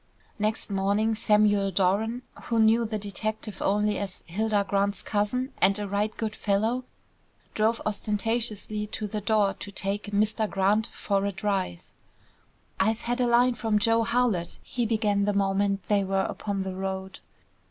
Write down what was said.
Next morning Samuel Doran, who knew the detective only as "Hilda Grant's cousin and a right good fellow," drove ostentatiously to the door to take "Mr. Grant" for a drive. "I've had a line from Joe Howlett," he began the moment they were upon the road.